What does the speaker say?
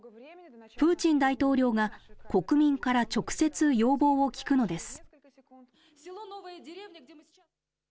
プーチン大統領が、国民から直接要望を聞くのです。